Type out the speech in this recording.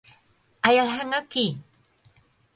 Hai alguén aquí?